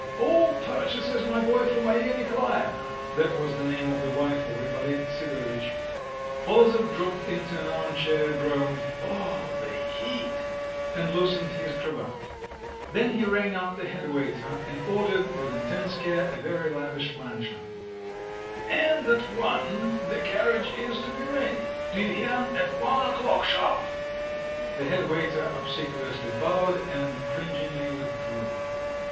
"All purchases, my boy, for Maria Nikolaevna!" (that was the name of the wife of Ippolit Sidorovitch). Polozov dropped into an arm chair, groaned, "Oh, the heat!" and loosened his cravat. Then he rang up the head waiter, and ordered with intense care a very lavish luncheon. "And at one, the carriage is to be ready! Do you hear, at one o'clock sharp!" The head waiter obsequiously bowed, and cringingly withdrew.